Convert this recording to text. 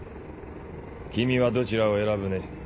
君はどちらを選ぶね？